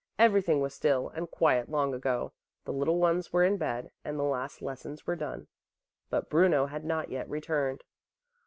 Everything was still and quiet long ago, the little ones were in bed and the last lessons were done. But Bruno had not yet returned.